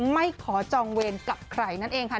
ไม่ขอจองเวรกับใครนั่นเองค่ะ